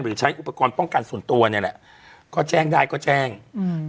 ใช้อุปกรณ์ป้องกันส่วนตัวเนี้ยแหละก็แจ้งได้ก็แจ้งอืม